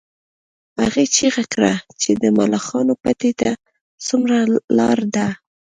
هغې چیغه کړه چې د ملخانو پټي ته څومره لار ده